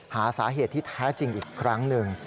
หาสาเหตุที่แท้จริงอีกครั้งหนึ่ง